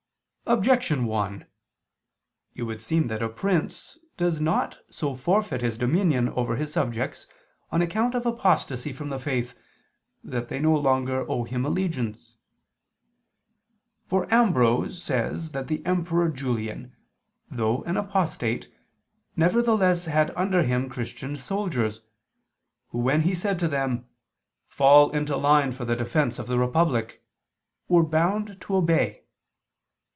Objection 1: It would seem that a prince does not so forfeit his dominion over his subjects, on account of apostasy from the faith, that they no longer owe him allegiance. For Ambrose [*St. Augustine, Super Ps. 124:3] says that the Emperor Julian, though an apostate, nevertheless had under him Christian soldiers, who when he said to them, "Fall into line for the defense of the republic," were bound to obey.